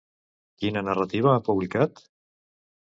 Quina narrativa ha publicat?